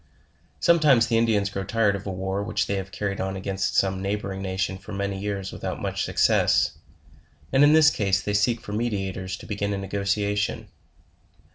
Sometimes the Indians grow tired of a war, which they have carried on against some neighboring nation for many years without much success, and in this case they seek for meditators to begin a negotiation.